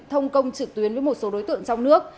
thông công trực tuyến với một số đối tượng trong nước